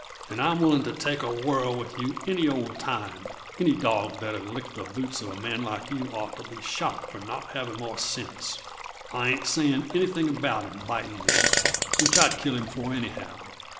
"And I'm willing to take a whirl with yuh any old time; any dawg that'll lick the boots of a man like you had ought to be shot for not having more sense. I ain't saying anything about him biting me which I'd kill him for, anyhow.